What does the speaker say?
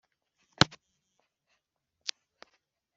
Inama y abajyanama iterana nibura rimwe mu mezi atatu